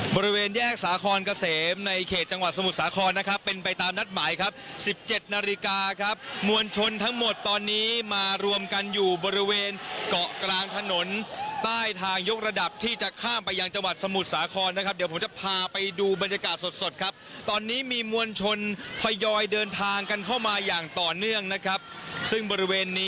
บริเวณแยกสาคอนเกษมในเขตจังหวัดสมุทรสาครนะครับเป็นไปตามนัดหมายครับ๑๗นาฬิกาครับมวลชนทั้งหมดตอนนี้มารวมกันอยู่บริเวณเกาะกลางถนนใต้ทางยกระดับที่จะข้ามไปยังจังหวัดสมุทรสาครนะครับเดี๋ยวผมจะพาไปดูบรรยากาศสดสดครับตอนนี้มีมวลชนทยอยเดินทางกันเข้ามาอย่างต่อเนื่องนะครับซึ่งบริเวณนี้